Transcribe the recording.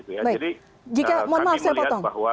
jadi kami melihat bahwa